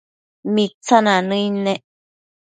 Mitsina nëid nec